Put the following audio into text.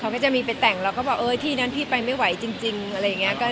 เขาก็จะมีไปแต่งเราก็บอกเออที่นั้นพี่ไปไม่ไหวจริงอะไรอย่างนี้